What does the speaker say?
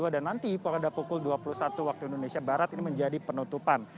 dan nanti pada pukul dua puluh satu waktu indonesia barat ini menjadi penutupan